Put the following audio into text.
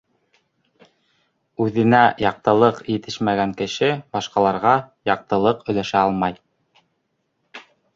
Үҙенә яҡтылыҡ етешмәгән кеше башҡаларға яҡтылыҡ өләшә алмай.